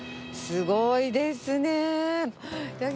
すごいですね。